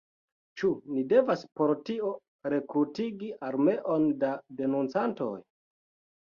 Ĉu ni devas por tio rekrutigi armeon da denuncantoj?